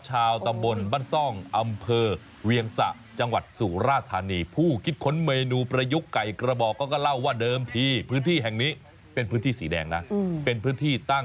ชาวตำบลประสงค์อำเภอเวียงศะ